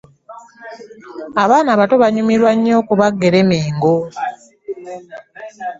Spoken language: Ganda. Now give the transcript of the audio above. Abaana abato banyumirwa nyo okuba gerema engoo.